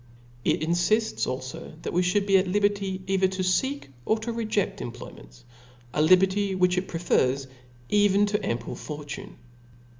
It infifts alfo that we fhould be at liberty either to feek or toVejeft employments; a liberty which it prefers even to an ample fortune.